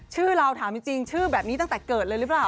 ชื่อเราถามจริงชื่อแบบนี้ตั้งแต่เกิดเลยหรือเปล่า